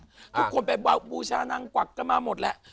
ทุกคนไปบูชานางกวักกันมาหมดแหละ